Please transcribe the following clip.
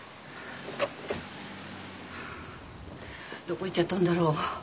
どこ行っちゃったんだろ。